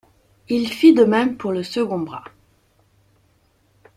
Il fit de même pour le second bras.